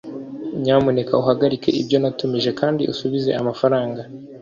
nyamuneka uhagarike ibyo natumije kandi usubize amafaranga